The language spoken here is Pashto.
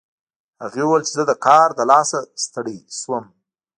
هغې وویل چې زه د کار له لاسه ستړې شوم